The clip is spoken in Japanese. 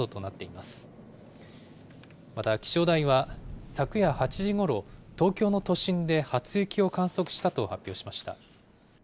また気象台は、昨夜８時ごろ、東京の都心で初雪を観測したと発表しました。